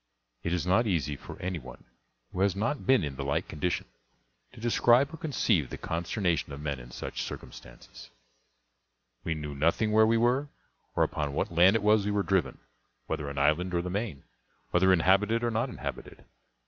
It is not easy for any one who has not been in the like condition to describe or conceive the consternation of men in such circumstances. We knew nothing where we were, or upon what land it was we were driven; whether an island or the main, whether inhabited or not inhabited.